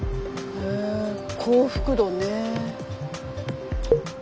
へえ幸福度ね。